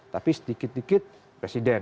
tapi sedikit dikit presiden